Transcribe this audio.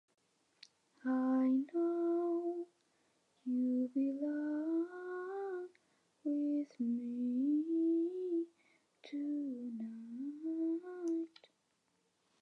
Amb què havien amenaçat els escocesos?